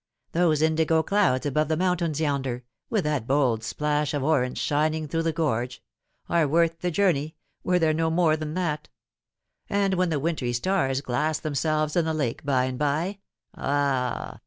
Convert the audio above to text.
Those indigo clouds above the mountains yonder with that bold splash of orange shining through the gorge are worth the journey, were there no more than that ; and when the wintry stars glass themselves in the lake by and by, ah